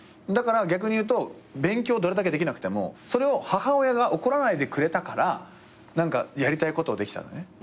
だから逆に言うと勉強どれだけできなくてもそれを母親が怒らないでくれたからやりたいことをできたのね。